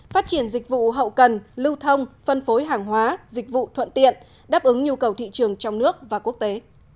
phát triển dịch vụ hậu cần lưu thông phân phối hàng hóa dịch vụ thuận tiện đáp ứng nhu cầu thị trường trong nước và quốc tế